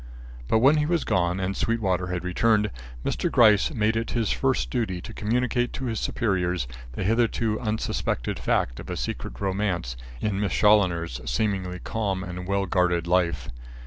But when he was gone, and Sweetwater had returned, Mr. Gryce made it his first duty to communicate to his superiors the hitherto unsuspected fact of a secret romance in Miss Challoner's seemingly calm and well guarded life.